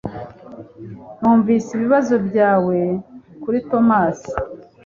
Numvise ibibazo byawe kuri Tomasi